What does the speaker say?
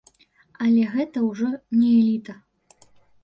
Але гэта ўжо не эліта.